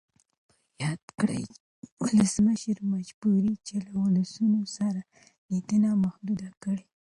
یاده کړۍ ولسمشر مجبوروي چې له ولسونو سره لیدنه محدوده کړي.